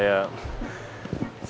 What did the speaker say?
saya tidak bisa konsentrasi